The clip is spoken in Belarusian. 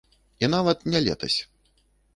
І нават не летась.